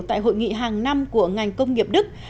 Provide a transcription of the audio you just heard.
tại hội nghị hàng năm của ngành công nghiệp đức